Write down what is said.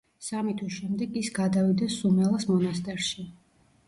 სამი თვის შემდეგ ის გადავიდა სუმელას მონასტერში.